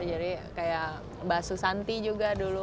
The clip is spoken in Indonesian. jadi kayak basu santi juga